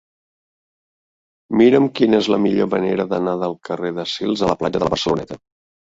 Mira'm quina és la millor manera d'anar del carrer de Sils a la platja de la Barceloneta.